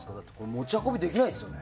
持ち運びできないですよね。